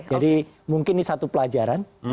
jadi mungkin ini satu pelajaran